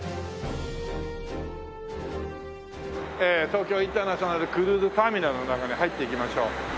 東京インターナショナルクルーズターミナルの中に入っていきましょう。